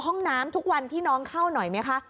ห้องน้ำทุกวันที่น้องเข้าหน่อยไหมคะ